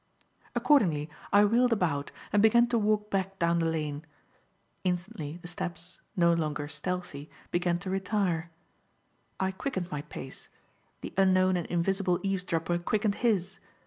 Accordingly I wheeled about and began to walk back down the lane. Instantly, the steps no longer stealthy began to retire. I quickened my pace; the unknown and invisible eavesdropper quickened his.